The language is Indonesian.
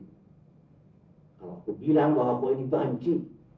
kalau aku bilang bahwa kau ini banci